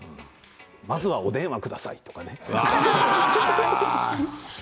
まずお電話くださいとかね。